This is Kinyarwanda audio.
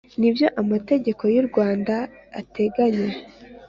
n ibyo Amategeko y u Rwanda ateganya